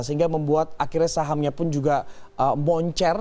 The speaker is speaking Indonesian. sehingga membuat akhirnya sahamnya pun juga moncer